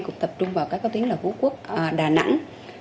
cũng tập trung vào các tuyến là phú quốc đà nẵng